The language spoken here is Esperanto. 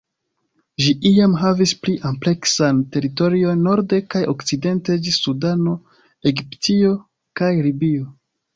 Ĝi iam havis pli ampleksan teritorion norde kaj okcidente ĝis Sudano, Egiptio, kaj Libio.